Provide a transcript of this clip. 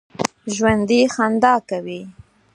ژوندي خندا کوي